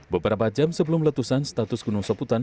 beberapa jam sebelum letusan status gunung soputan